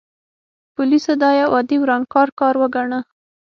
پولیسو دا یو عادي ورانکار کار وګاڼه.